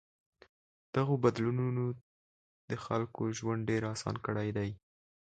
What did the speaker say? دغو بدلونونو د خلکو ژوند ډېر آسان کړی دی.